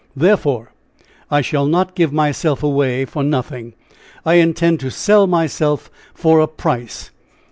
Therefore, I shall not give myself away for nothing. I intend to sell myself for a price!